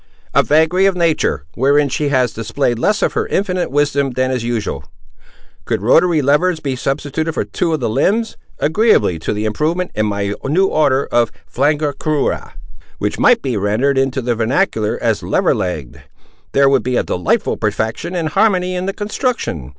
"A vagary of nature, wherein she has displayed less of her infinite wisdom than is usual. Could rotary levers be substituted for two of the limbs, agreeably to the improvement in my new order of phalangacrura, which might be rendered into the vernacular as lever legged, there would be a delightful perfection and harmony in the construction.